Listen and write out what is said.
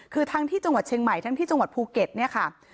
คือทั้งที่จังหวัดเชียงใหม่ทั้งที่จังหวัดภูเก็ตเนี่ยค่ะ